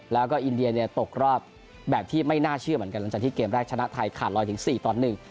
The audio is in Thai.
แล้วก็อินเดียเนี่ยตกรอบแบบที่ไม่น่าเชื่อเหมือนกันหลังจากที่เกมแรกชนะไทยขาดลอยถึงสี่ต่อหนึ่ง